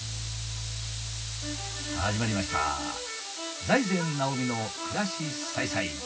始まりました「財前直見の暮らし彩彩」。